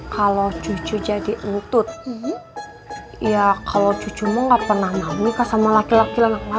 kalau cucu jadi entut ya kalau cucu mah gak pernah nikah sama laki laki lelaki